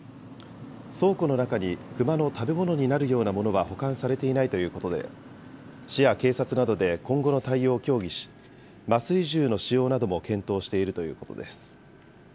倉庫の中にクマの食べ物になるようなものは保管されていないということで、市や警察などで今後の対応を協議し、麻酔銃の使用なども検討しているということです。